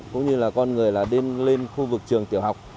cũng như là con người là đêm lên khu vực trường tiểu học